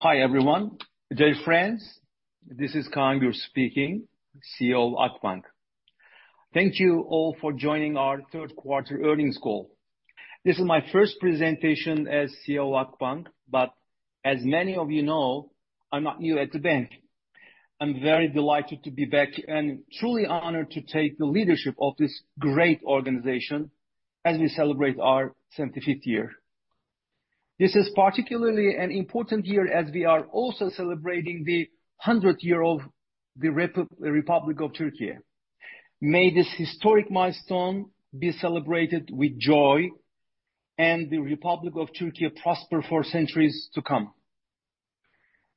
Hi, everyone. Dear friends, this is Kaan Gür speaking, CEO of Akbank. Thank you all for joining our Q3 earnings call. This is my first presentation as CEO of Akbank, but as many of you know, I'm not new at the bank. I'm very delighted to be back and truly honored to take the leadership of this great organization as we celebrate our 75th year. This is particularly an important year, as we are also celebrating the 100th year of the Republic of Turkey. May this historic milestone be celebrated with joy, and the Republic of Turkey prosper for centuries to come.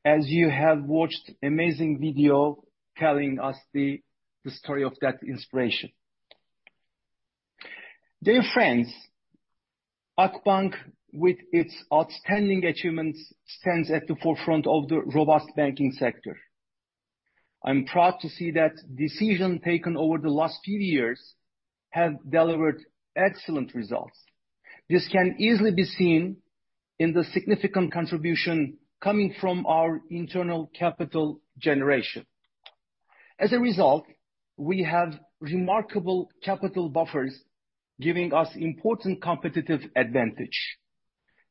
As you have watched amazing video telling us the story of that inspiration. Dear friends, Akbank, with its outstanding achievements, stands at the forefront of the robust banking sector. I'm proud to see that decision taken over the last few years have delivered excellent results. This can easily be seen in the significant contribution coming from our internal capital generation. As a result, we have remarkable capital buffers, giving us important competitive advantage.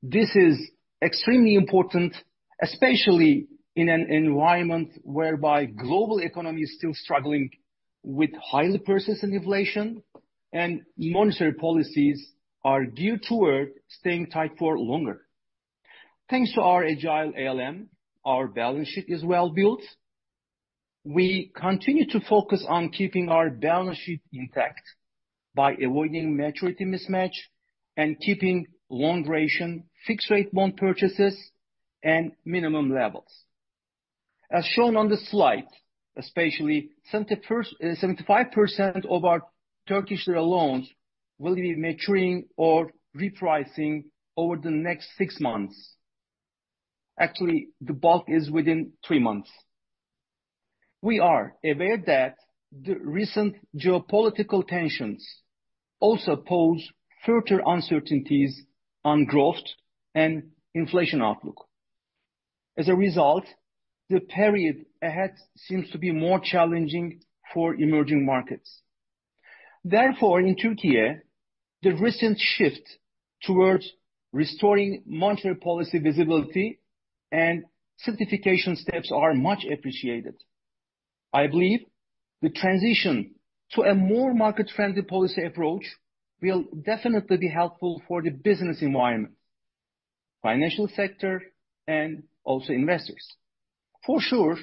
This is extremely important, especially in an environment whereby global economy is still struggling with highly persistent inflation, and monetary policies are geared toward staying tight for longer. Thanks to our agile ALM, our balance sheet is well built. We continue to focus on keeping our balance sheet intact by avoiding maturity mismatch and keeping long duration, fixed rate bond purchases and minimum levels. As shown on the slide, especially 71%-75% of our Turkish lira loans will be mature or repricing over the next six months. Actually, the bulk is within three months. We are aware that the recent geopolitical tensions also pose further uncertainties on growth and inflation outlook. As a result, the period ahead seems to be more challenging for emerging markets. Therefore, in Turkey, the recent shift towards restoring monetary policy visibility and simplification steps are much appreciated. I believe the transition to a more market-friendly policy approach will definitely be helpful for the business environment, financial sector, and also investors. For sure,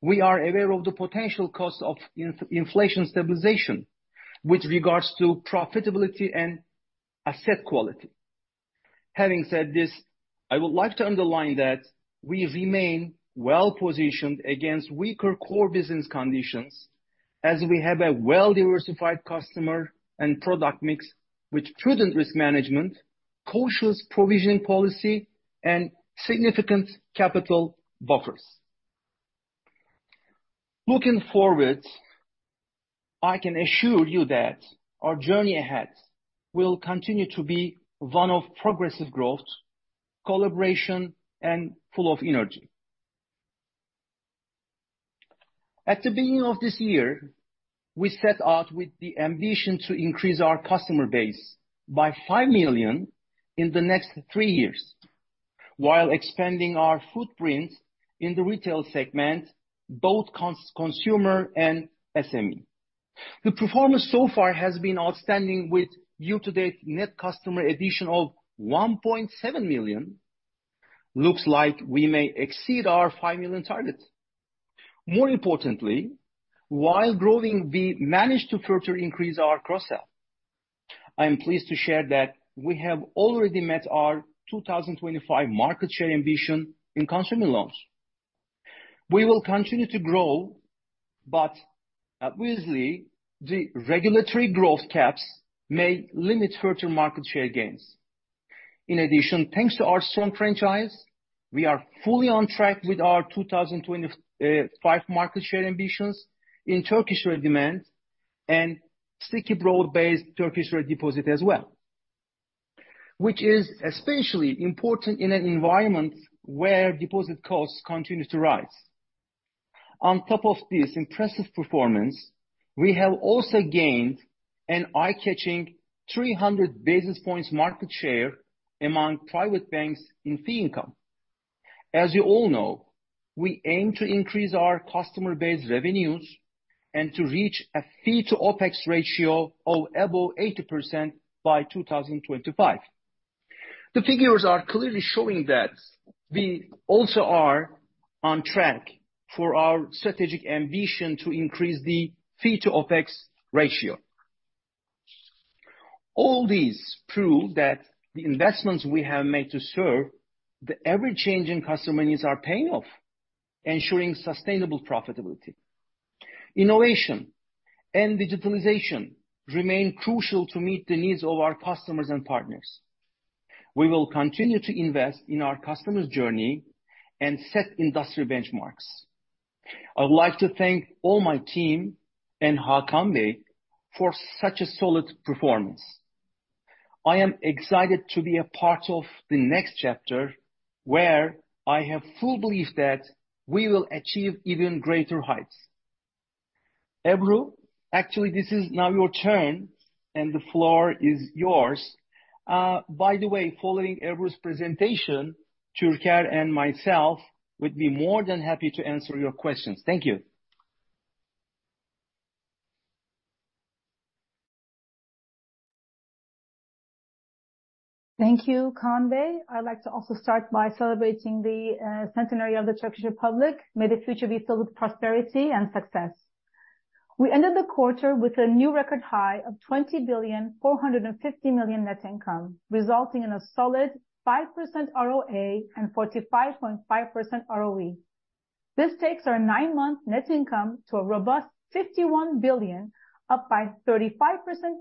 we are aware of the potential costs of inflation stabilization with regards to profitability and asset quality. Having said this, I would like to underline that we remain well positioned against weaker core business conditions, as we have a well-diversified customer and product mix with prudent risk management, cautious provisioning policy, and significant capital buffers. Looking forward, I can assure you that our journey ahead will continue to be one of progressive growth, collaboration, and full of energy. At the beginning of this year, we set out with the ambition to increase our customer base by 5 million in the next three years, while expanding our footprint in the retail segment, both consumer and SME. The performance so far has been outstanding with year-to-date net customer additions of 1.7 million. It looks like we may exceed our 5 million target. More importantly, while growing, we managed to further increase our cross-sell. I am pleased to share that we have already met our 2025 market share ambition in consumer loans. We will continue to grow, but obviously, the regulatory growth caps may limit further market share gains. In addition, thanks to our strong franchise, we are fully on track with our 2025 market share ambitions in Turkish lira demand and sticky broad-based Turkish lira deposits as well, which is especially important in an environment where deposit costs continue to rise. On top of this impressive performance, we have also gained an eye-catching 300 basis points market share among private banks in fee income. As you all know, we aim to increase our customer base revenues and to reach a fee to OpEx ratio of above 80% by 2025. The figures are clearly showing that we also are on track for our strategic ambition to increase the fee to OpEx ratio. All these prove that the investments we have made to serve the ever-changing customer needs are paying off, ensuring sustainable profitability. Innovation and digitalization remain crucial to meet the needs of our customers and partners. We will continue to invest in our customers' journey and set industry benchmarks. I would like to thank all my entire team and Hakan Bey for such a solid performance. I am excited to be a part of the next chapter, where I have full belief that we will achieve even greater heights. Ebru, this is now your turn, and the floor is yours. By the way, following Ebru's presentation, Türker and myself would be more than happy to answer your questions. Thank you. Thank you, Kaan. I'd like to also start by celebrating the centenary of the Turkish Republic. May the future be filled with prosperity and success. We ended the quarter with a new record high of 20.45 billion in net income, resulting in a solid 5.0% ROA and 45.5% ROE. This takes our nine-month net income to a robust 51 billion, up by 35%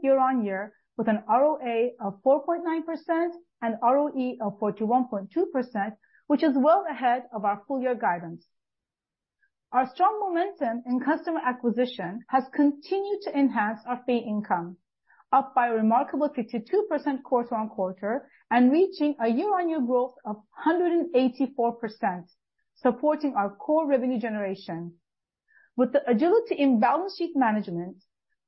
year-on-year, with an ROA of 4.9% and ROE of 41.2%, which is well ahead of our full year guidance. Our strong momentum in customer acquisition has continued to enhance our fee income, up by a remarkable 52% quarter-on-quarter, and reaching a year-on-year growth of 184%, supporting our core revenue generation. With the agility in balance sheet management,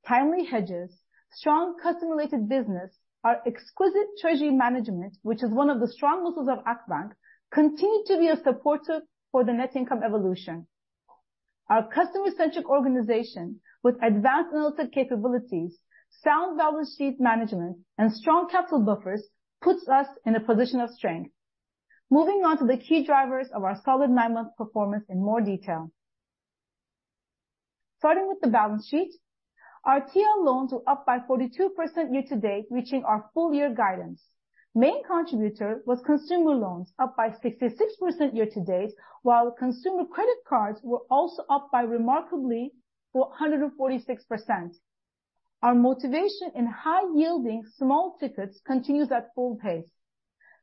timely hedges, strong customer-related business, our exquisite treasury management, which is one of the strong muscles of Akbank, continued to be a supporter for the net income evolution. Our customer-centric organization, with advanced analytic capabilities, sound balance sheet management, and strong capital buffers, puts us in a position of strength. Moving on to the key drivers of our solid 9-month performance in more detail. Starting with the balance sheet, our TL loans were up 42% year to date, reaching our full year guidance. Main contributor was consumer loans, up by 66% year to date, while consumer credit cards were also up by remarkably 146%. Our motivation in high-yielding small tickets continues at full pace.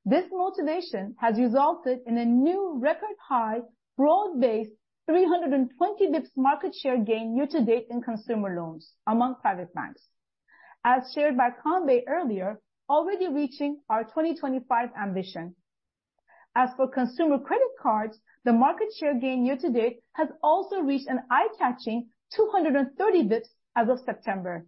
This motivation has resulted in a new record high, broad-based, 320 basis points market share gain year to date in consumer loans among private banks. As shared by Kaan Beyr earlier, already reaching our 2025 ambition. As for consumer credit cards, the market share gain year to date has also reached an eye-catching 230 basis points as of September.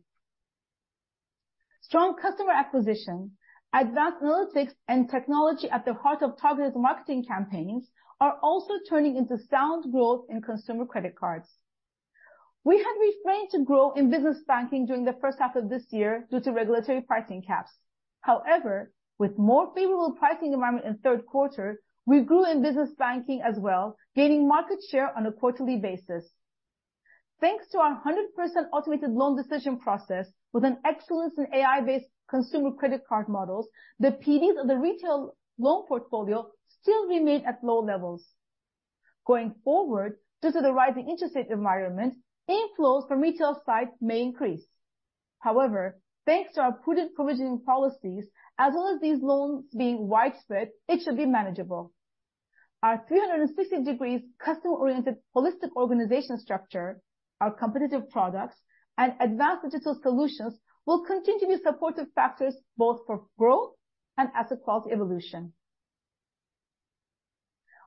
Strong customer acquisition, advanced analytics, and technology at the heart of targeted marketing campaigns are also turning into sound growth in consumer credit cards. We had refrained from growing in business banking during the first half of this year due to regulatory pricing caps. However, with more favorable pricing environment in Q3, we grew in business banking as well, gaining market share on a quarterly basis. Thanks to our 100% automated loan decision process, with an excellence in AI-based consumer credit card models, the PDs of the retail loan portfolio remain at low levels. Going forward, due to the rising interest rate environment, inflows from retail side may increase. However, thanks to our prudent provisioning policies, as well as these loans being widespread, it should be manageable. Our 360-degree customer-oriented holistic organization structure, our competitive products, and advanced digital solutions will continue to be supportive factors both for growth and asset quality evolution.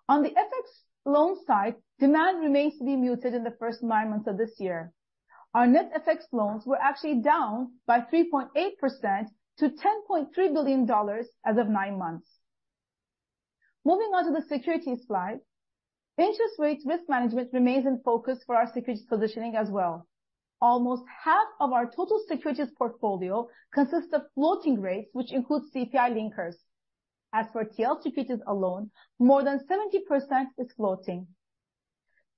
On the FX loan side, demand remains to be muted in the first 9 months of this year. Our net FX loans were down 3.8% to $10.3 billion as of the nine-month period. Moving on to the securities slide. Interest rate risk management remains in focus for our securities positioning as well. Almost half of our total securities portfolio consists of floating rates, which includes CPI linkers. As for TL securities alone, more than 70% is floating.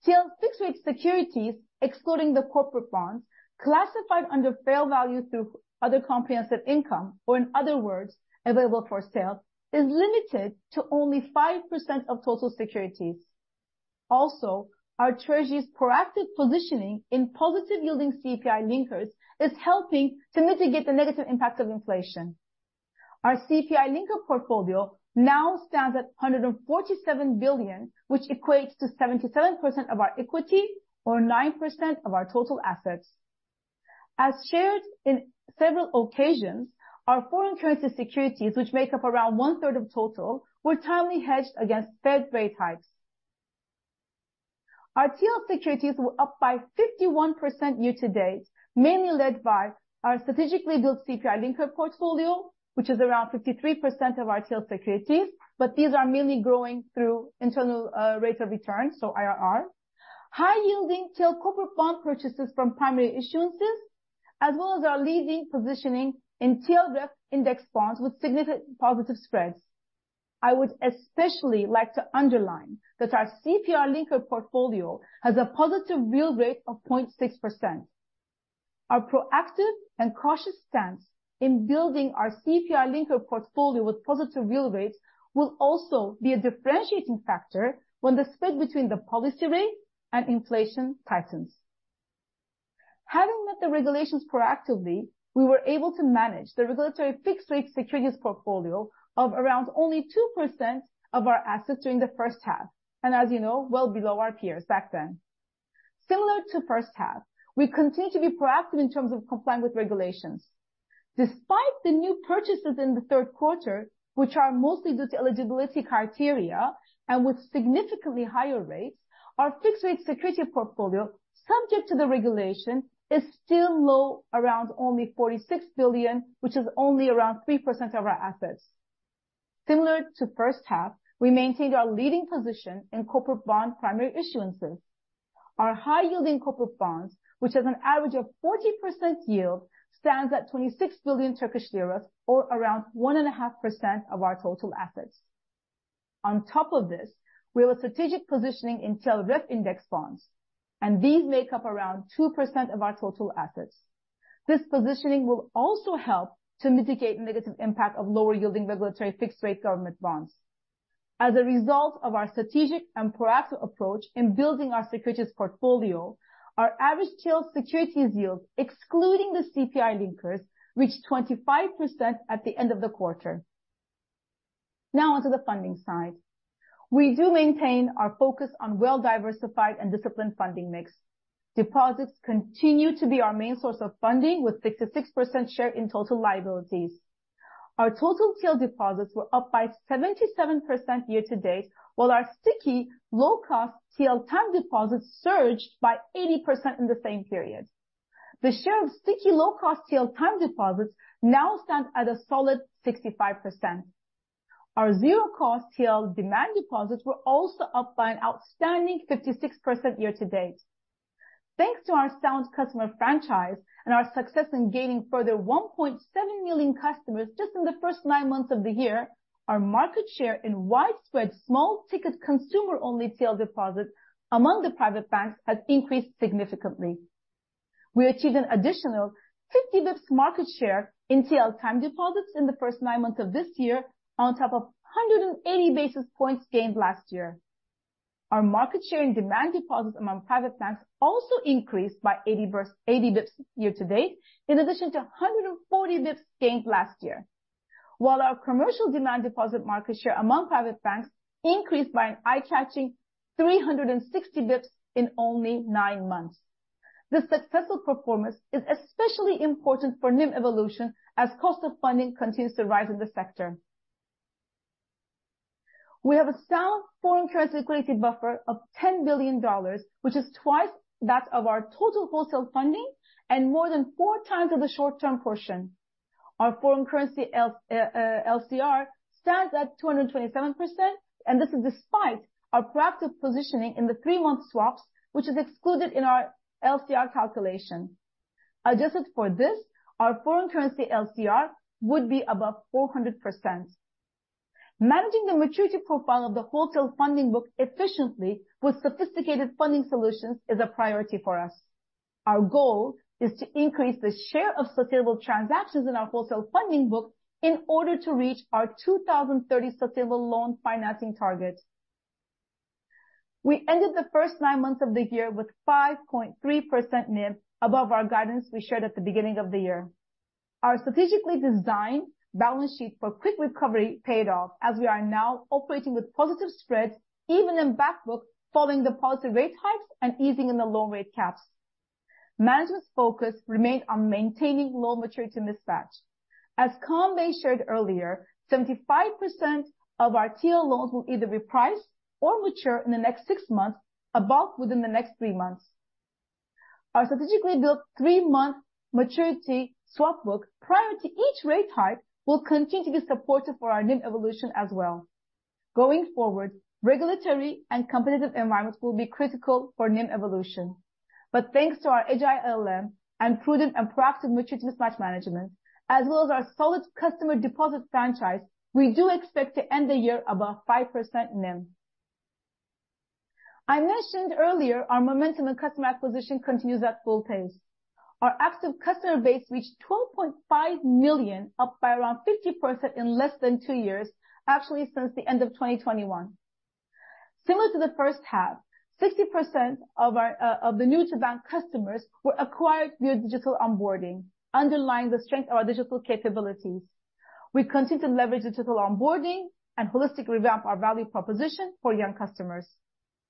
TL fixed-rate securities, excluding the corporate bonds, classified under fair value through other comprehensive income, or in other words, available for sale, is limited to only 5% of total securities. Also, our Treasury's proactive positioning in positive-yielding CPI linkers is helping to mitigate the negative impact of inflation. Our CPI Linker portfolio now stands at 147 billion, which equates to 77% of our equity or 9% of our total assets. As shared in several occasions, our foreign currency securities, which make up around one third of total, were timely hedged against Fed rate hikes. Our TL securities were up by 51% year to date, mainly led by our strategically built CPI linker portfolio, which is around 53% of our TL securities, but these are mainly growing through internal rate of return, so IRR. High-yielding TL corporate bond purchases from primary issuances, as well as our leading positioning in TL reference index bonds with significant positive spreads. I would especially like to underline that our CPI linker portfolio has a positive real rate of 0.6%. Our proactive and cautious stance in building our CPI linker portfolio with positive real rates will also be a differentiating factor when the spread between the policy rate and inflation tightens. Having met the regulations proactively, we were able to manage the regulatory fixed rate securities portfolio of around only 2% of our assets during the first half, and as you know, well below our peers back then. Similar to first half, we continue to be proactive in terms of complying with regulations. Despite the new purchases in the Q3, which are mostly due to eligibility criteria and with significantly higher rates, our fixed rate security portfolio, subject to the regulation, is still low, around only 46 billion, which is only around 3% of our assets. Similar to first half, we maintained our leading position in corporate bond primary issuances. Our high-yielding corporate bonds, which have an average yield of 40%, stand at 26 billion Turkish lira, or around 1.5% of our total assets. On top of this, we have a strategic positioning in TL reference index bonds, and these make up around 2% of our total assets. This positioning will also help to mitigate negative impact of lower yielding regulatory fixed rate government bonds. As a result of our strategic and proactive approach in building our securities portfolio, our average TL securities yield, excluding the CPI linkers, reached 25% at the end of the quarter. Now, on to the funding side. We do maintain our focus on well-diversified and disciplined funding mix. Deposits continue to be our main source of funding, with 66% share in total liabilities. Our total TL deposits were up by 77% year-to-date, while our sticky low-cost TL time deposits surged by 80% in the same period. The share of sticky low-cost TL time deposits now stands at a solid 65%. Our zero-cost TL demand deposits were also up by an outstanding 56% year-to-date. Thanks to our sound customer franchise and our success in gaining further 1.7 million customers just in the first nine months of the year, our market share in widespread small-ticket consumer-only TL deposits among the private banks has increased significantly. We achieved an additional 50 basis points market share in TL time deposits in the first nine months of this year, on top of 180 basis points gained last year. Our market share in demand deposits among private banks also increased by 80 basis points year-to-date, in addition to 140 basis points gained last year. While our commercial demand deposit market share among private banks increased by an eye-catching 360 basis points in only nine months. This successful performance is especially important for NIM evolution as cost of funding continues to rise in the sector. We have a sound foreign currency liquidity buffer of $10 billion, which is twice that of our total wholesale funding and more than four times of the short-term portion. Our foreign currency LCR stands at 227%, and this is despite our proactive positioning in the three-month swaps, which is excluded in our LCR calculation. Adjusted for this, our foreign currency LCR would be above 400%. Managing the maturity profile of the wholesale funding book efficiently with sophisticated funding solutions is a priority for us. Our goal is to increase the share of sustainable transactions in our wholesale funding book in order to reach our 2030 sustainable loan financing target. We ended the first nine months of the year with 5.3% NIM above our guidance we shared at the beginning of the year. Our strategically designed balance sheet for quick recovery paid off, as we are now operating with positive spreads, even in back book, following the policy rate hikes and easing in the loan rate caps. Management's focus remained on maintaining loan maturity mismatch. As kaan Bey shared earlier, 75% of our TL loans will either reprice or mature in the next six months, above within the next three months. Our strategically built 3-month maturity swap book prior to each rate hike, will continue to be supportive for our NIM evolution as well. Going forward, regulatory and competitive environments will be critical for NIM evolution. But thanks to our agile ALM and prudent and proactive maturity mismatch management, as well as our solid customer deposit franchise, we do expect to end the year above 5% NIM. I mentioned earlier, our momentum in customer acquisition continues at full pace. Our active customer base reached 12.5 million, up by around 50% in less than two years, actually, since the end of 2021. Similar to the first half, 60% of the new-to-bank customers were acquired via digital onboarding, underlying the strength of our digital capabilities. We continue to leverage digital onboarding and holistically revamp our value proposition for young customers.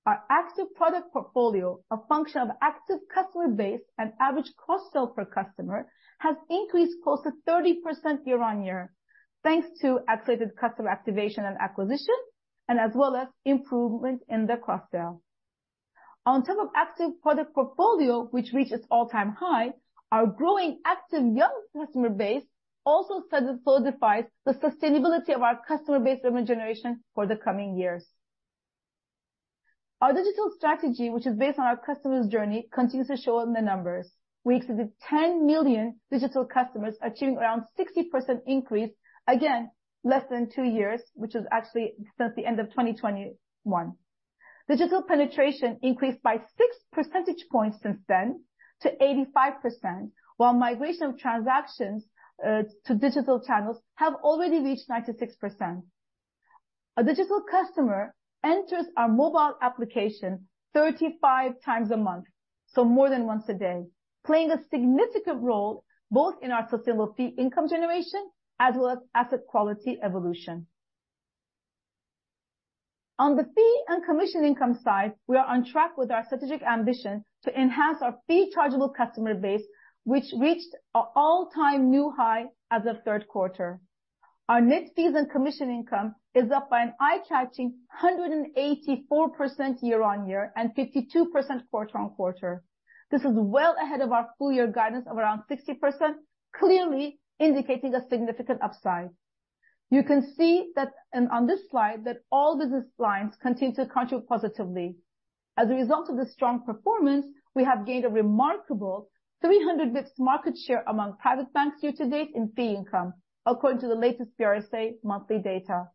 Our active product portfolio, a function of active customer base and average cross-sell per customer, has increased close to 30% year-on-year, thanks to accelerated customer activation and acquisition, and as well as improvement in the cross-sell. On top of active product portfolio, which reached its all-time high, our growing active young customer base also solidifies the sustainability of our customer-based revenue generation for the coming years. Our digital strategy, which is based on our customer's journey, continues to show in the numbers. We exceeded 10 million digital customers, achieving around 60% increase, again, less than 2 years, which is actually since the end of 2021. Digital penetration increased by 6 percentage points since then to 85%, while migration of transactions to digital channels have already reached 96%. A digital customer enters our mobile application 35 times a month, so more than once a day, playing a significant role both in our sustainable fee income generation as well as asset quality evolution.... On the fee and commission income side, we are on track with our strategic ambition to enhance our fee chargeable customer base, which reached an all-time new high as of Q3. Our net fees and commission income is up by an eye-catching 184% year-on-year, and 52% quarter-on-quarter. This is well ahead of our full year guidance of around 60%, clearly indicating a significant upside. You can see that, and on this slide, that all business lines continue to contribute positively. As a result of this strong performance, we have gained a remarkable 300 BPS market share among private banks year-to-date in fee income, according to the latest BRSA monthly data.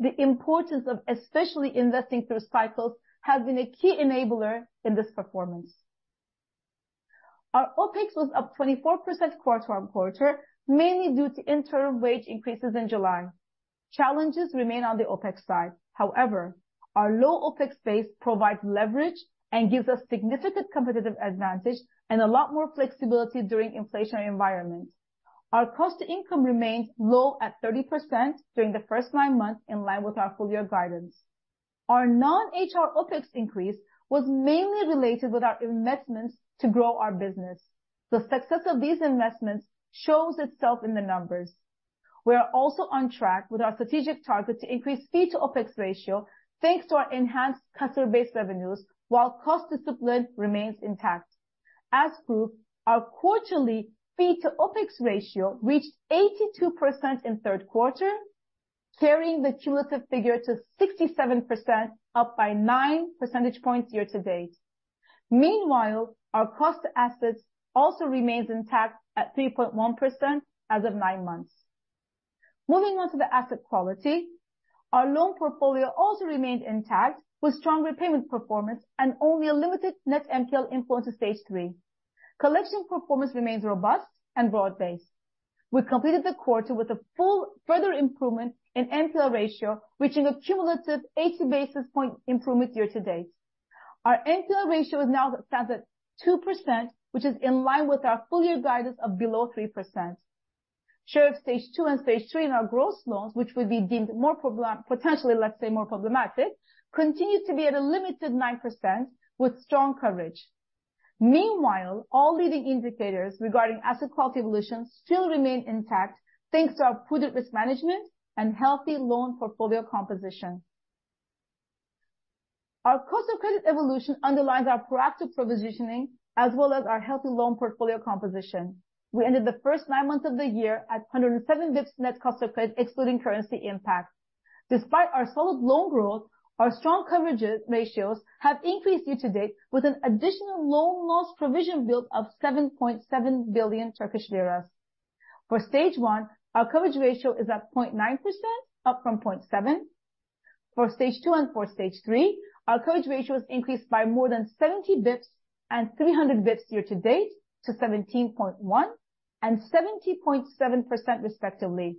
The importance of especially investing through cycles has been a key enabler in this performance. Our OpEx was up 24% quarter-on-quarter, mainly due to interim wage increases in July. Challenges remain on the OpEx side. However, our low OpEx base provides leverage and gives us significant competitive advantage and a lot more flexibility during inflationary environment. Our cost to income remains low at 30% during the first nine months, in line with our full year guidance. Our non-HR OpEx increase was mainly related with our investments to grow our business. The success of these investments shows itself in the numbers. We are also on track with our strategic target to increase fee-to-OpEx ratio, thanks to our enhanced customer base revenues, while cost discipline remains intact. As proof, our quarterly fee-to-OpEx ratio reached 82% in Q3, carrying the cumulative figure to 67%, up by 9 percentage points year-to-date. Meanwhile, our cost to assets also remains intact at 3.1% as of nine months. Moving on to the asset quality. Our loan portfolio also remained intact, with strong repayment performance and only a limited net NPL influence to stage three. Collection performance remains robust and broad-based. We completed the quarter with a full further improvement in NPL ratio, reaching a cumulative 80 basis point improvement year-to-date. Our NPL ratio now stands at 2%, which is in line with our full year guidance of below 3%. Share of stage two and stage three in our gross loans, which will be deemed more problem- potentially, let's say, more problematic, continues to be at a limited 9% with strong coverage. Meanwhile, all leading indicators regarding asset quality evolution still remain intact, thanks to our prudent risk management and healthy loan portfolio composition. Our cost of credit evolution underlines our proactive provisioning, as well as our healthy loan portfolio composition. We ended the first 9 months of the year at 107 basis points net cost of credit, excluding currency impact. Despite our solid loan growth, our strong coverage ratios have increased year-to-date, with an additional loan loss provision build of 7.7 billion Turkish lira. For stage one, our coverage ratio is at 0.9%, up from 0.7%. For stage two and for stage three, our coverage ratio has increased by more than 70 basis points and 300 basis points year-to-date, to 17.1% and 70.7%, respectively.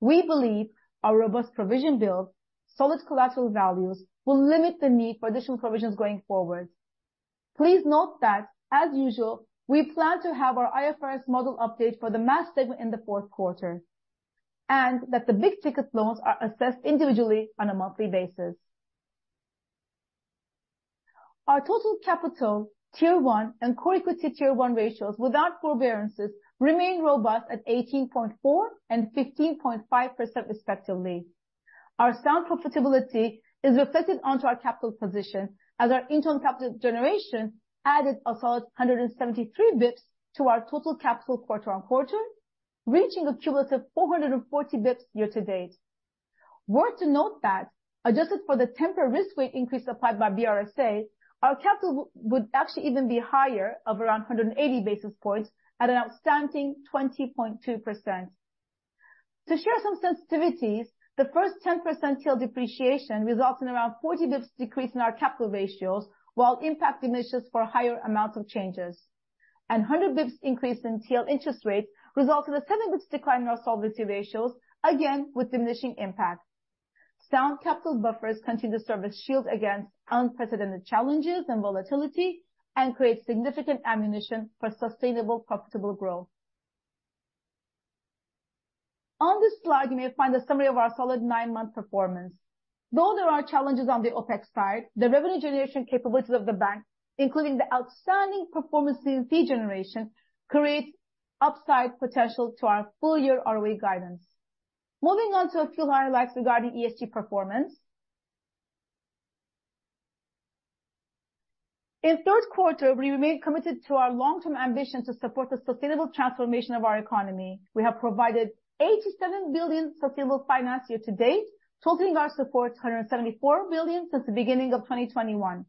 We believe our robust provision build, solid collateral values, will limit the need for additional provisions going forward. Please note that, as usual, we plan to have our IFRS model update for the mass segment in the Q4, and that the big-ticket loans are assessed individually on a monthly basis. Our total capital, Tier one and core equity Tier one ratios without forbearances remain robust at 18.4% and 15.5%, respectively. Our sound profitability is reflected onto our capital position as our internal capital generation added a solid 173 BPS to our total capital quarter on quarter, reaching a cumulative 440 BPS year-to-date. Worth noting that, adjusted for the temporary risk weight increase applied by BRSA, our capital would actually even be higher of around 180 basis points at an outstanding 20.2%. To share some sensitivities, the first 10% TL depreciation results in around 40 BPS decrease in our capital ratios, while impact diminishes for higher amounts of changes. 100 BPS increase in TL interest rates results in a 7 BPS decline in our solvency ratios, again, with diminishing impact. Sound capital buffers continue to serve as shield against unprecedented challenges and volatility, and create significant ammunition for sustainable, profitable growth. On this slide, you may find a summary of our solid nine-month performance. Though there are challenges on the OpEx side, the revenue generation capabilities of the bank, including the outstanding performance in fee generation, creates upside potential to our full-year ROE guidance. Moving on to a few highlights regarding ESG performance. In Q3, we remained committed to our long-term ambition to support the sustainable transformation of our economy. We have provided 87 billion sustainable finance year-to-date, totaling our support, 174 billion since the beginning of 2021.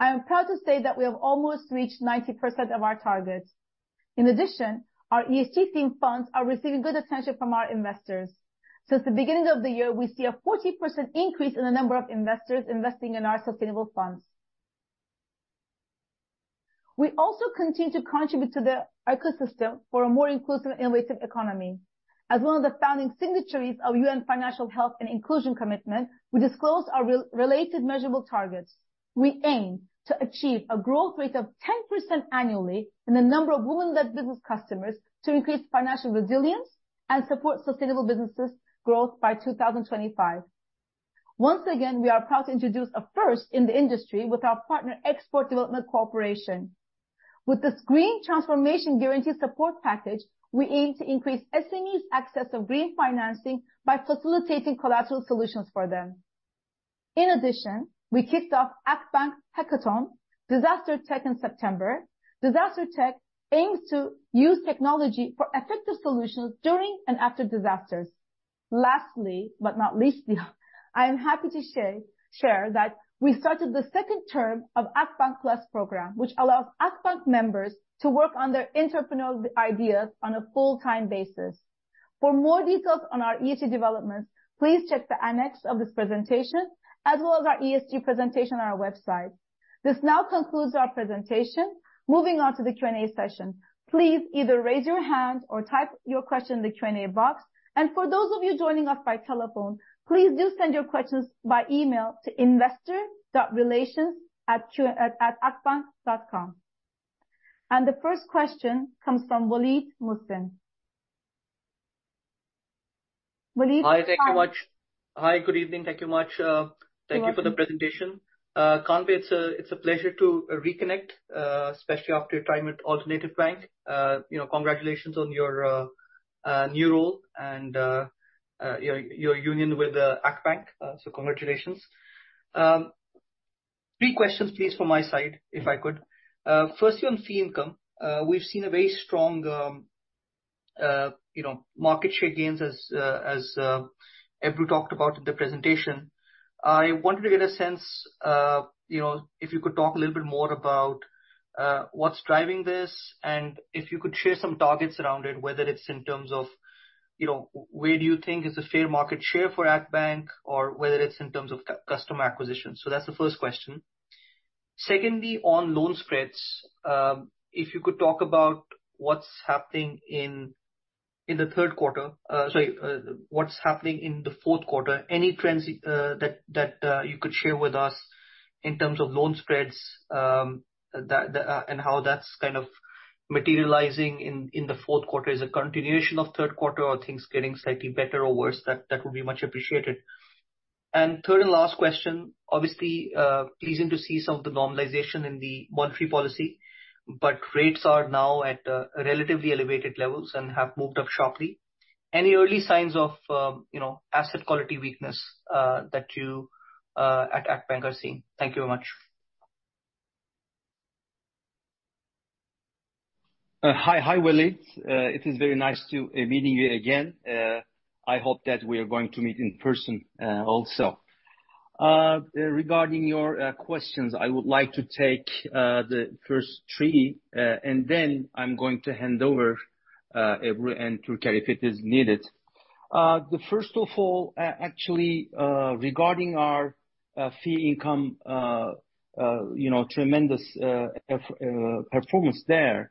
I am proud to say that we have almost reached 90% of our targets. In addition, our ESG themed funds are receiving good attention from our investors. Since the beginning of the year, we see a 40% increase in the number of investors investing in our sustainable funds. We also continue to contribute to the ecosystem for a more inclusive, innovative economy. As one of the founding signatories of UN Financial Health and Inclusion Commitment, we disclose our re-related measurable targets. We aim to achieve a growth rate of 10% annually in the number of women-led business customers, to increase financial resilience and support sustainable businesses growth by 2025.... Once again, we are proud to introduce a first in the industry with our partner, Export Development Canada. With this green transformation guarantee support package, we aim to increase SME's access of green financing by facilitating collateral solutions for them. In addition, we kicked off Akbank Hackathon Disaster Tech in September. Disaster Tech aims to use technology for effective solutions during and after disasters. Lastly, but not least, I am happy to share that we started the second term of Akbank Plus program, which allows Akbank members to work on their entrepreneurial ideas on a full-time basis. For more details on our ESG developments, please check the annex of this presentation, as well as our ESG presentation on our website. This now concludes our presentation. Hi, thank you much. Hi, good evening. Thank you much, You're welcome. Thank you for the presentation. Kaan, it's a pleasure to reconnect, especially after your time at Alternatif Bank. You know, congratulations on your new role and your union with Akbank. So congratulations. Three questions, please, from my side, if I could. Firstly, on fee income, we've seen a very strong, you know, market share gains as Ebru talked about in the presentation. I wanted to get a sense, you know, if you could talk a little bit more about what's driving this, and if you could share some targets around it, whether it's in terms of, you know, where do you think is a fair market share for Akbank, or whether it's in terms of customer acquisition. So that's the first question. Secondly, on loan spreads, if you could talk about what's happening in the Q4, any trends that you could share with us in terms of loan spreads, and how that's kind of materializing in the Q4. Is a continuation of Q3, or are things getting slightly better or worse? That would be much appreciated. And third and last question, obviously, pleasing to see some of the normalization in the monetary policy, but rates are now at relatively elevated levels and have moved up sharply. Any early signs of, you know, asset quality weakness that you at Akbank are seeing? Thank you very much. Hi, hi, Waleed. It is very nice to meeting you again. I hope that we are going to meet in person also. Regarding your questions, I would like to take the first three, and then I'm going to hand over Ebru and Türker, if it is needed. The first of all, actually, regarding our fee income, you know, tremendous performance there,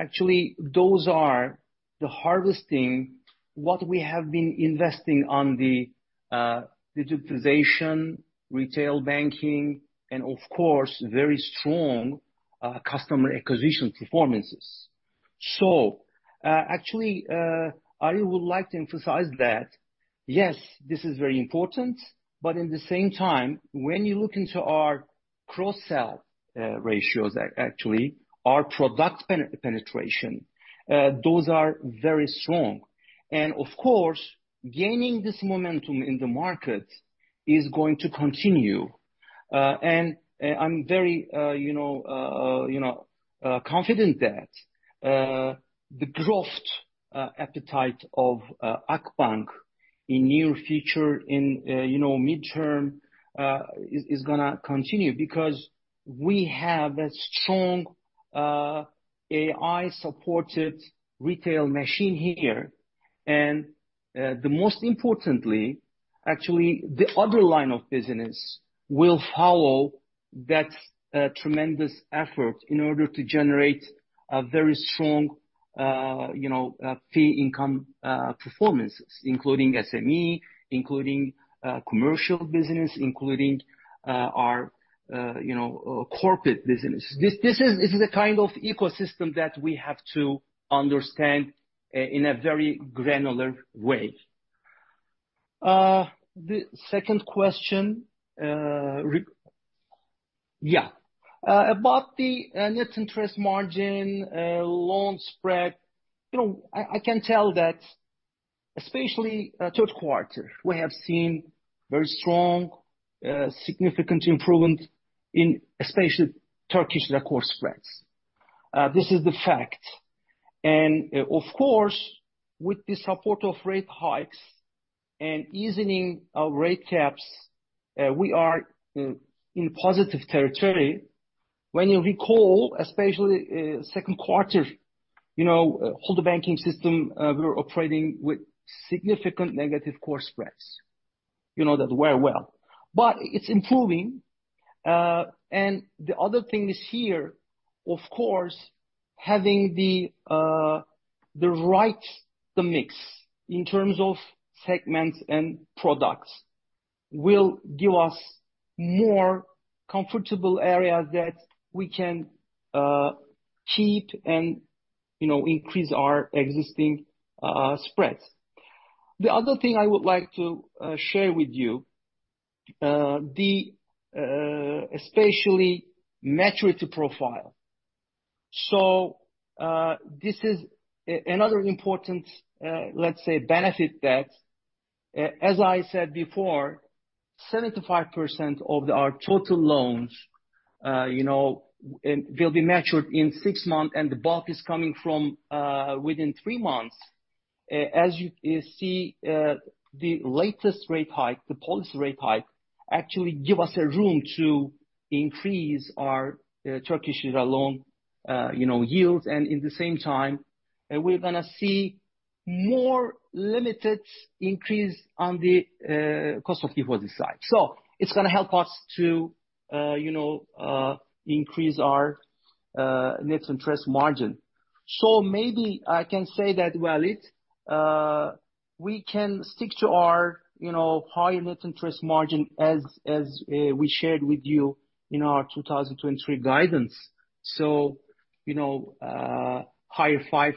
actually, those are the harvesting what we have been investing on the digitization, retail banking, and of course, very strong customer acquisition performances. So, actually, I would like to emphasize that, yes, this is very important, but in the same time, when you look into our cross-sell ratios, actually, our product penetration, those are very strong. And of course, gaining this momentum in the market is going to continue. I'm very, you know, confident that the growth appetite of Akbank in near future, in, you know, midterm, is, is gonna continue because we have a strong AI-supported retail machine here. The most importantly, actually, the other line of business will follow that tremendous effort in order to generate a very strong, you know, fee income performances, including SME, including commercial business, including our, you know, corporate business. This, this is, this is a kind of ecosystem that we have to understand in a very granular way. The second question, yeah, about the net interest margin, loan spread, you know, I, I can tell that especially, Q3, we have seen very strong, significant improvement in especially Turkish recourse spreads. This is the fact, and of course, with the support of rate hikes and easing our rate caps, we are in positive territory. When you recall, especially, second quarter, you know, all the banking system, we were operating with significant negative core spreads, you know, that very well. But it's improving, and the other thing is here, of course, having the, the right, the mix, in terms of segments and products, will give us more comfortable areas that we can keep and you know, increase our existing spreads. The other thing I would like to share with you, the especially maturity profile. So, this is another important, let's say, benefit that, as I said before, 75% of our total loans, you know, and will be matured in 6 months, and the bulk is coming from, within 3 months. As you see, the latest rate hike, the policy rate hike, actually give us a room to increase our, Turkish Lira loan, you know, yields. And in the same time, and we're gonna see more limited increase on the, cost of deposit side. So it's gonna help us to, you know, increase our, net interest margin. So maybe I can say that, Walid, we can stick to our, you know, high net interest margin as, as, we shared with you in our 2023 guidance. So, you know, higher 5%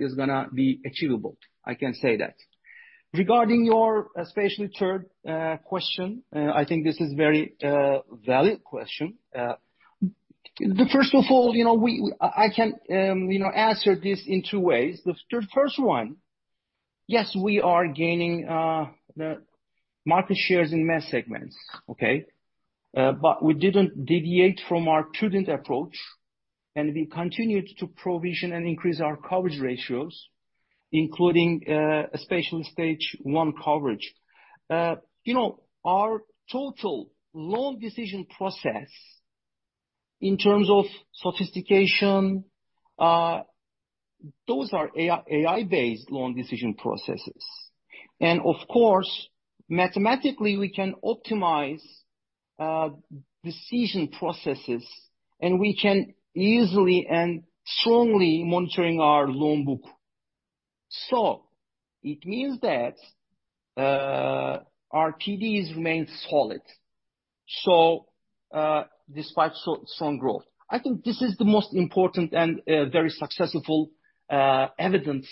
is gonna be achievable, I can say that. Regarding your, especially third, question, I think this is very, valid question. The first of all, you know, we- I can, you know, answer this in two ways. The third first one, yes, we are gaining, the market shares in mass segments, okay? But we didn't deviate from our prudent approach, and we continued to provision and increase our coverage ratios, including, especially Stage One coverage. You know, our total loan decision process, in terms of sophistication, those are AI, AI-based loan decision processes. Of course, mathematically, we can optimize decision processes, and we can easily and strongly monitoring our loan book. So it means that our TDs remain solid, so despite strong growth. I think this is the most important and very successful evidence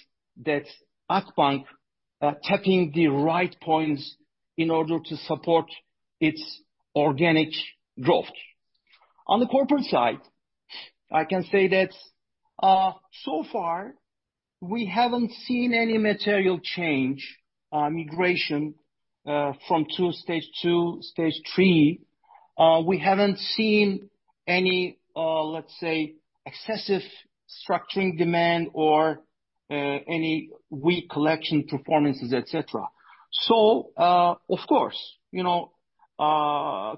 that Akbank are tapping the right points in order to support its organic growth. On the corporate side, I can say that so far we haven't seen any material change, migration from Stage Two, Stage Three. We haven't seen any, let's say, excessive structuring demand or any weak collection performances, et cetera. So, of course, you know,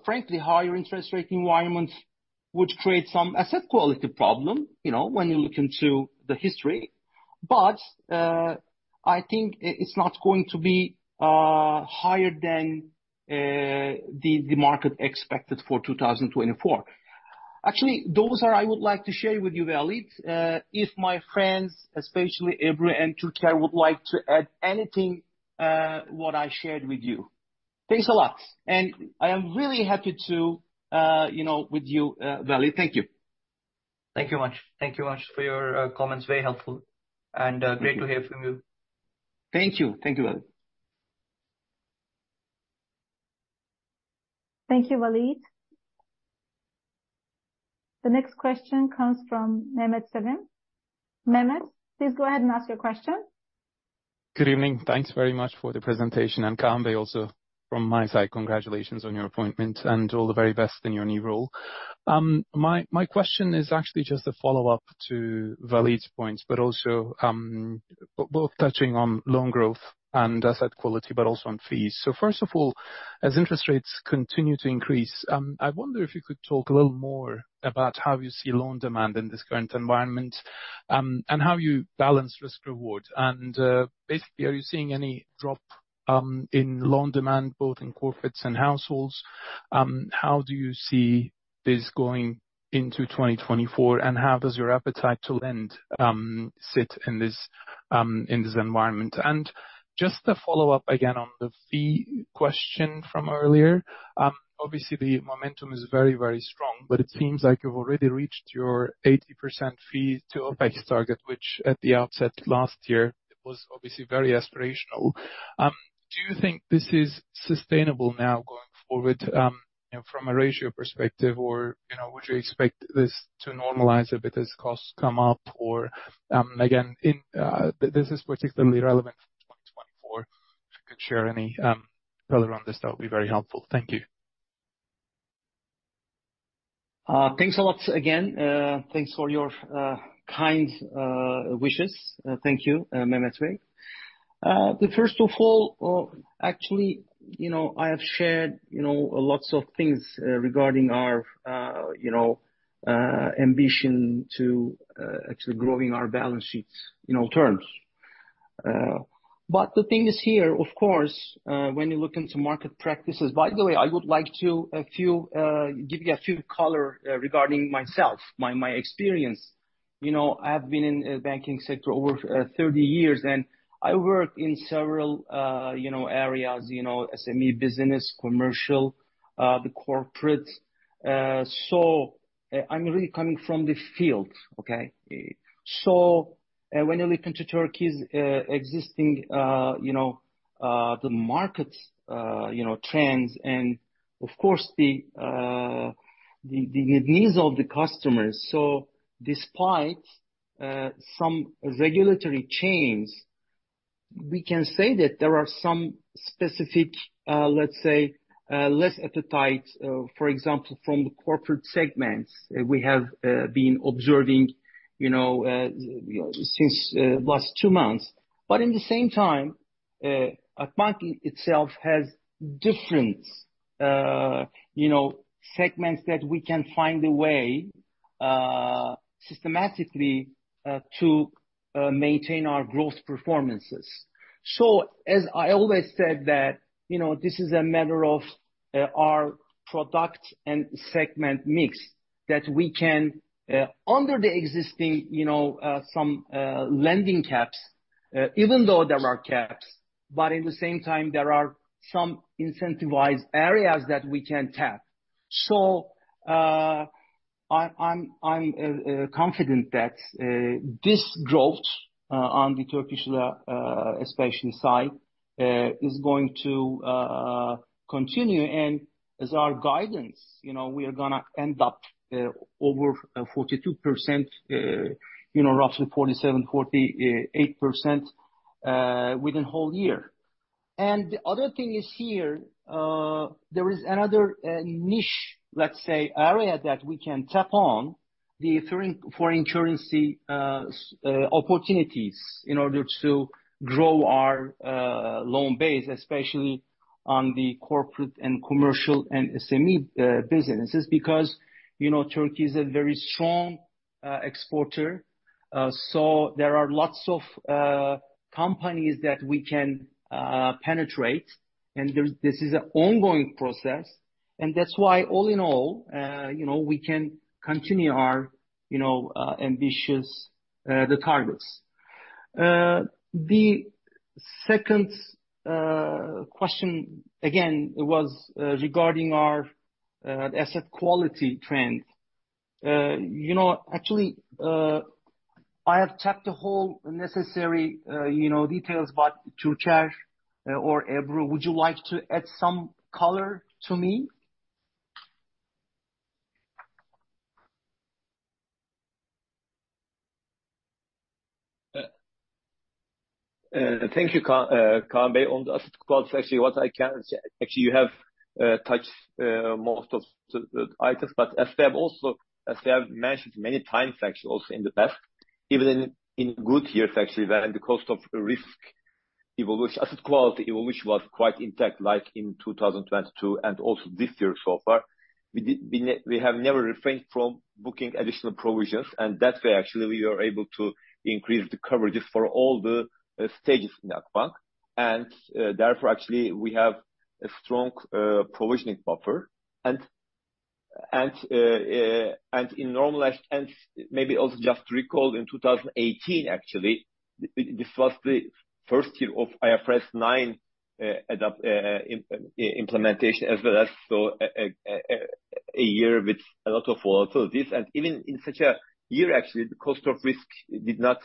frankly, higher interest rate environments would create some asset quality problem, you know, when you look into the history. But, I think it's not going to be higher than the market expected for 2024. Actually, those are I would like to share with you, Walid. If my friends, especially Ebru and Türker, would like to add anything what I shared with you. Thanks a lot, and I am really happy to you know, with you, Walid. Thank you. Thank you much. Thank you much for your comments, very helpful, and great to hear from you. Thank you. Thank you, Walid. Good evening. Thanks very much for the presentation, and Kaan Bey, also from my side, congratulations on your appointment and all the very best in your new role. My question is actually just a follow-up to Walid's points, but also both touching on loan growth and asset quality, but also on fees. So first of all, as interest rates continue to increase, I wonder if you could talk a little more about how you see loan demand in this current environment, and how you balance risk-reward. And basically, are you seeing any drop in loan demand, both in corporates and households? How do you see this going into 2024, and how does your appetite to lend sit in this environment? And just to follow up again on the fee question from earlier. Obviously the momentum is very, very strong, but it seems like you've already reached your 80% fee to OpEx target, which at the outset last year, it was obviously very aspirational. Do you think this is sustainable now going forward, you know, from a ratio perspective, or, you know, would you expect this to normalize a bit as costs come up? Or, again, in, this is particularly relevant for 2024. If you could share any, color on this, that would be very helpful. Thank you. Thanks a lot again. Thanks for your kind wishes. Thank you, Mehmet Sevim. First of all, actually, you know, I have shared, you know, lots of things regarding our, you know, ambition to actually growing our balance sheets in all terms. But the thing is here, of course, when you look into market practices. By the way, I would like to give you a few color regarding myself, my experience. You know, I have been in the banking sector over 30 years, and I work in several, you know, areas, you know, SME business, commercial, the corporate. So, I'm really coming from the field, okay? So, when you look into Turkey's existing, you know, the market, you know, trends and of course the needs of the customers. So despite some regulatory changes, we can say that there are some specific, let's say, less appetite, for example, from the corporate segments we have been observing, you know, since last two months. But in the same time, our bank itself has different, you know, segments that we can find a way, systematically, to maintain our growth performances. So as I always said, that, you know, this is a matter of, our product and segment mix, that we can, under the existing, you know, some, lending caps, even though there are caps, but in the same time, there are some incentivized areas that we can tap. So, I, I'm confident that, this growth, on the Turkish, especially side, is going to, continue. And as our guidance, you know, we are gonna end up, over 42%, you know, roughly 47%-48%, within whole year. The other thing is here, there is another niche, let's say, area that we can tap on the foreign currency opportunities in order to grow our loan base, especially on the corporate and commercial and SME businesses, because, you know, Turkey is a very strong exporter. So there are lots of companies that we can penetrate, and there's this is an ongoing process, and that's why, all in all, you know, we can continue our, you know, ambitious the targets. The second question, again, was regarding our asset quality trend. You know, actually, I have checked the whole necessary, you know, details, but Türker or Ebru, would you like to add some color to me? Thank you, Kaan. On the asset quality, actually, what I can say, actually, you have touched most of the items, but as we have mentioned many times actually also in the past, even in good years actually, when the cost of risk evolution, asset quality evolution was quite intact, like in 2022 and also this year so far, we have never refrained from booking additional provisions, and that way, actually, we are able to increase the coverages for all the stages in the bank. Therefore, actually, we have a strong provisioning buffer. In normalized, and maybe also just to recall, in 2018, actually, this was the first year of IFRS 9 implementation as well as, so, a year with a lot of volatility. Even in such a year, actually, the cost of risk did not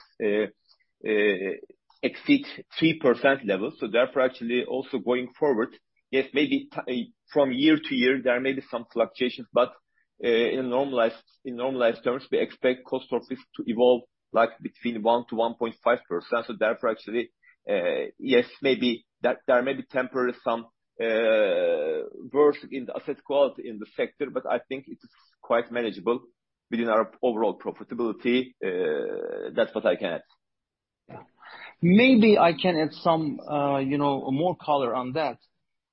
exceed 3% level. Therefore, actually, also going forward, yes, maybe, from year to year, there may be some fluctuations, but, in normalized terms, we expect cost of risk to evolve like between 1%-1.5%. Therefore, actually, yes, maybe that there may be temporarily some worse in the asset quality in the sector, but I think it's quite manageable within our overall profitability. That's what I can add. Maybe I can add some, you know, more color on that.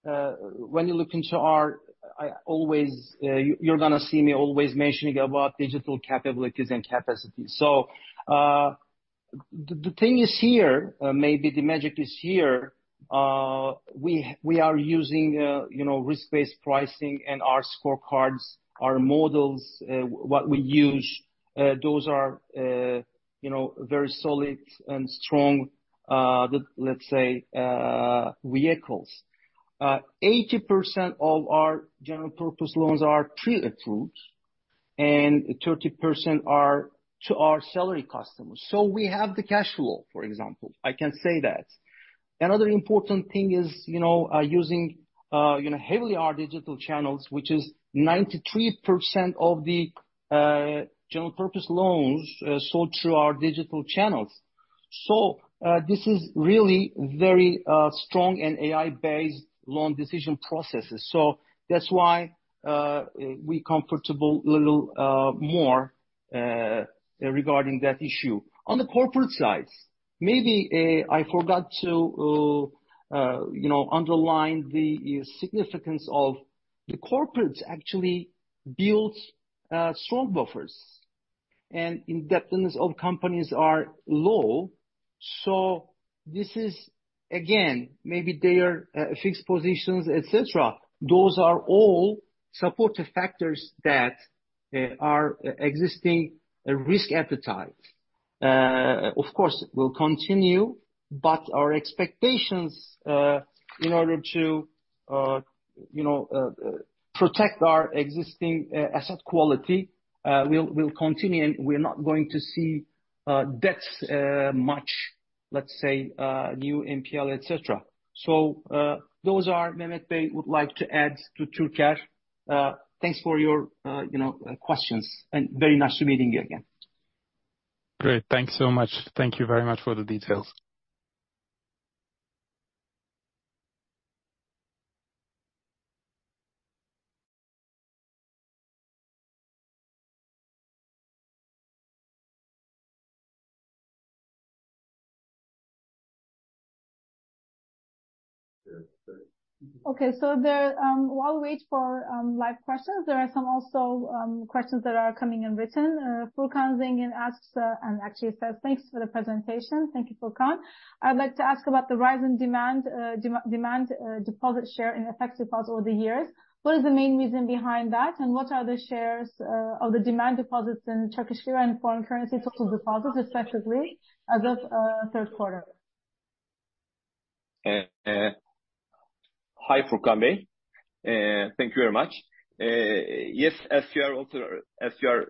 When you look into our... I always, you're gonna see me always mentioning about digital capabilities and capacities. So, the thing is here, maybe the magic is here, we are using, you know, risk-based pricing and our scorecards, our models, what we use, those are, you know, very solid and strong, let's say, vehicles. 80% of our general purpose loans are pre-approved, and 30% are to our salary customers. So we have the cash flow, for example, I can say that. Another important thing is, you know, using, you know, heavily our digital channels, which is 93% of the general purpose loans sold through our digital channels. So, this is really very strong and AI-based loan decision processes. So that's why we comfortable a little more regarding that issue. On the corporate side, maybe I forgot to you know, underline the significance of the corporates actually build strong buffers, and indebtedness of companies are low. So this is, again, maybe they are fixed positions, et cetera. Those are all supportive factors that are existing a risk appetite.... of course, will continue, but our expectations, in order to, you know, protect our existing asset quality, we'll continue, and we're not going to see debts much, let's say, new NPL, et cetera. So, those are. Mehmet Bey would like to add to Türker's. Thanks for your, you know, questions, and very nice meeting you again. Great. Thanks so much. Thank you very much for the details. Furkan Zengin asks, and actually says, "Thanks for the presentation." Thank you, Furkan. "I'd like to ask about the rise in demand deposit share in FX deposits over the years. What is the main reason behind that, and what are the shares of the demand deposits in Turkish lira and foreign currency total deposits, especially as of Q3? Hi, Furkan Bey. Thank you very much. Yes, as you are also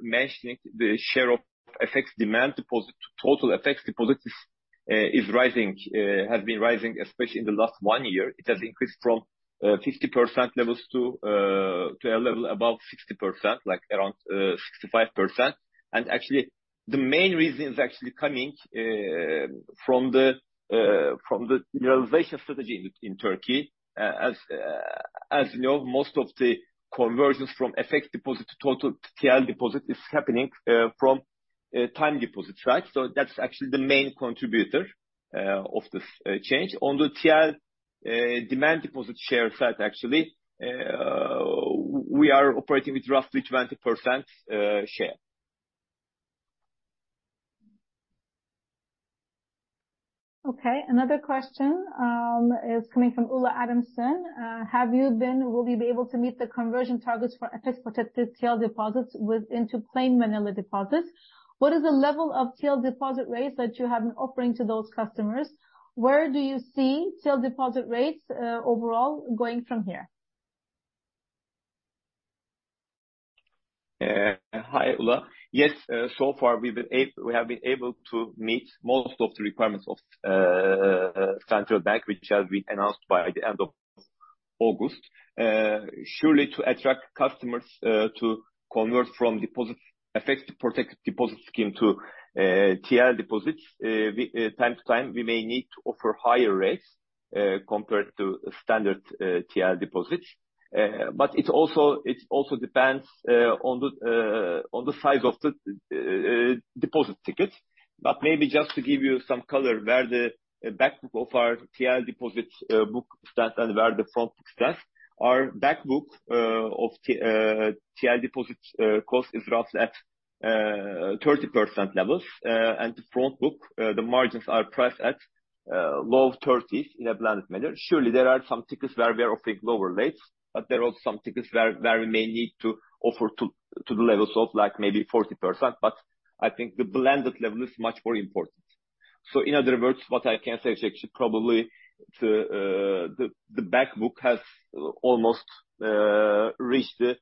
mentioning, the share of FX demand deposit to total FX deposits is rising, has been rising, especially in the last one year. It has increased from 50% levels to a level above 60%, like around 65%. And actually, the main reason is actually coming from the realization strategy in Turkey. As you know, most of the conversions from FX deposit to total TL deposit is happening from time deposits, right? So that's actually the main contributor of this change. On the TL demand deposit share side, actually, we are operating with roughly 20% share. Okay. Another question is coming from Ula Adamson. "Will you be able to meet the conversion targets for FX protected TL deposits with into plain vanilla deposits? What is the level of TL deposit rates that you have been offering to those customers? Where do you see TL deposit rates overall going from here? Hi, Ula. Yes, so far we have been able to meet most of the requirements of Central Bank, which has been announced by the end of August. Surely to attract customers to convert from deposit FX-protected deposit scheme to TL deposits, time to time we may need to offer higher rates compared to standard TL deposits. But it also, it also depends on the size of the deposit tickets. But maybe just to give you some color, where the back book of our TL deposits stands and where the front book stands. Our back book of TL deposits cost is roughly at 30% levels. And the front book, the margins are priced at low 30s in a blended manner. Surely, there are some tickets where we are offering lower rates, but there are some tickets where we may need to offer to the levels of like maybe 40%, but I think the blended level is much more important. So in other words, what I can say is actually probably the back book has almost reached the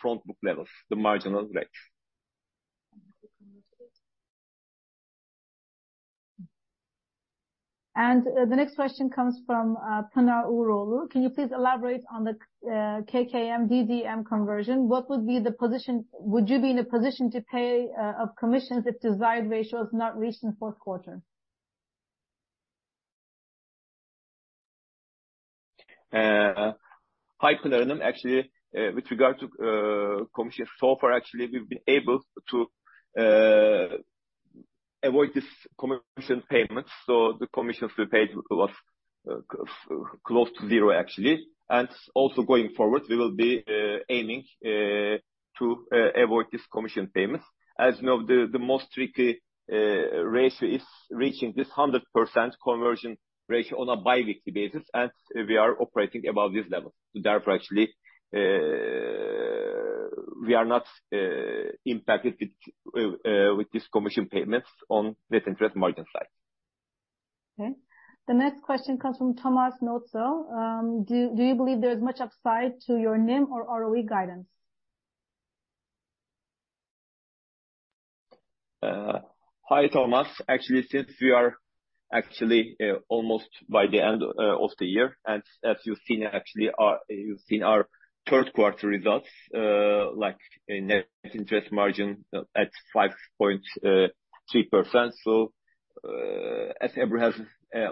front book levels, the marginal rate. The next question comes from Tanar Urolu: "Can you please elaborate on the KKM DDM conversion? What would be the position—would you be in a position to pay of commissions if desired ratio is not reached in the Q4? Hi, Taner. Actually, with regard to commission, so far, actually, we've been able to avoid this commission payments, so the commissions we paid was close to zero, actually. And also going forward, we will be aiming to avoid this commission payments. As you know, the most tricky ratio is reaching this 100% conversion ratio on a biweekly basis, and we are operating above this level. Therefore, actually, we are not impacted with this commission payments on net interest margin side. Okay. The next question comes from Thomasz Noetzel. "Do you believe there's much upside to your NIM or ROE guidance? Hi, Thomas. Actually, since we are actually almost by the end of the year, and as you've seen, actually, our—you've seen our Q3 results, like a net interest margin at 5.3%. So, as Ebru has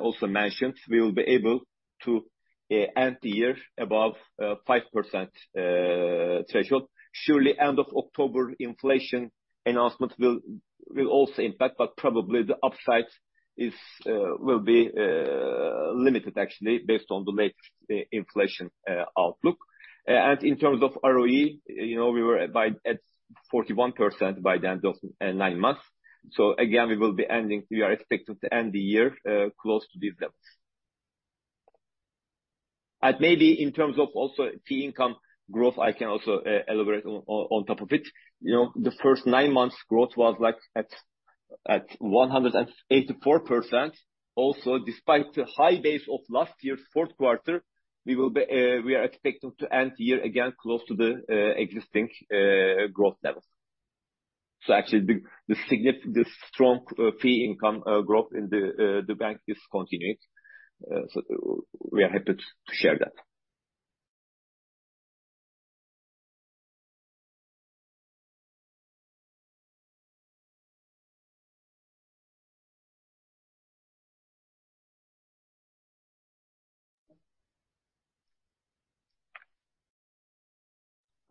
also mentioned, we will be able to end the year above 5% threshold. Surely, end of October, inflation announcement will also impact, but probably the upside is will be limited actually, based on the latest inflation outlook. And in terms of ROE, you know, we were by at 41% by the end of nine months. So again, we will be ending... we are expected to end the year close to these levels. Maybe in terms of also fee income growth, I can also elaborate on top of it. You know, the first nine months growth was like at 184%. Also, despite the high base of last year's Q4, we are expecting to end the year again close to the existing growth levels. So actually, the significant, the strong fee income growth in the bank is continuing. So we are happy to share that.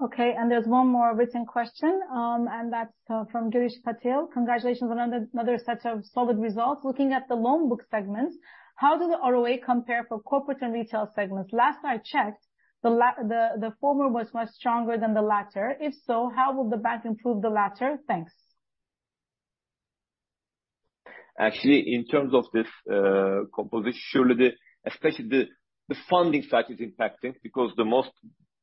Okay, and there's one more written question, and that's from Jitesh Patel. Congratulations on our fund deposit taking base. Looking at the loan book segments, how does the ROA compare for corporate and retail segments? Last I checked, the former was much stronger than the latter. If so, how will the bank improve the latter? Thanks. Actually, in terms of this composition, surely the, especially the funding side is impacting because the most,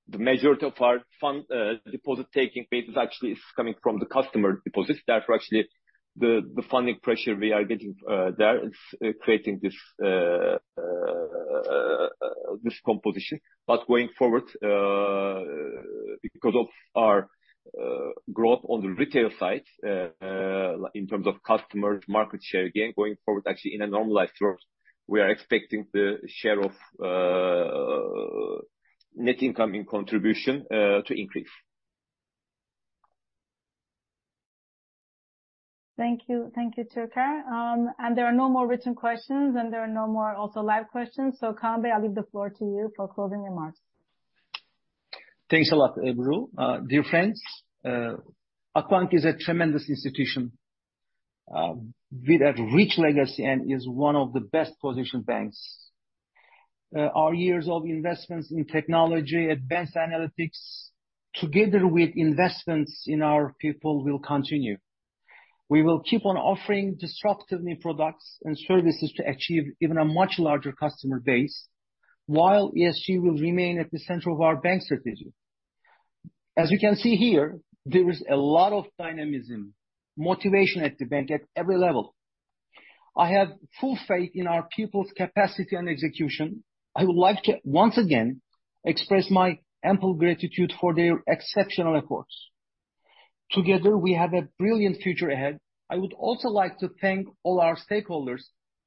the majority of our fund deposit taking base is actually coming from the customer deposits that are actually the funding pressure we are getting there is creating this composition. But going forward, because of our growth on the retail side in terms of customer market share, again, going forward, actually, in a normalized growth, we are expecting the share of net income in contribution to increase. Thanks a lot, Ebru. Dear friends, Akbank is a tremendous institution, with a rich legacy and is one of the best positioned banks. Our years of investments in technology, advanced analytics, together with investments in our people, will continue. We will keep on offering disruptive new products and services to achieve even a much larger customer base, while ESG will remain at the center of our bank strategy. As you can see here, there is a lot of dynamism, motivation at the bank at every level. I have full faith in our people's capacity and execution. I would like to once again express my ample gratitude for their exceptional efforts. Together, we have a brilliant future ahead. I would also like to thank all our stakeholders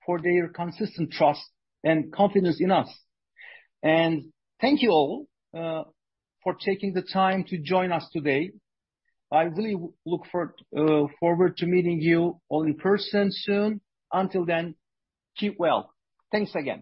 for their consistent trust and confidence in us. Thank you all for taking the time to join us today. I really look forward to meeting you all in person soon. Until then, keep well. Thanks again!